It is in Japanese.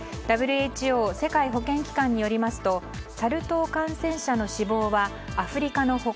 ＷＨＯ・世界保健機関によりますとサル痘感染者の死亡はアフリカの他